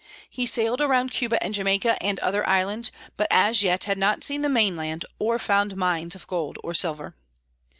He sailed around Cuba and Jamaica and other islands, but as yet had not seen the mainland or found mines of gold or silver.